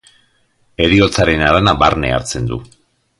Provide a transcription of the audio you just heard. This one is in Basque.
Heriotzaren harana barne hartzen du.